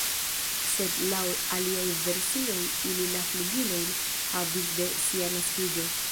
Sed laŭ aliaj versioj ili la flugilojn havis de sia naskiĝo.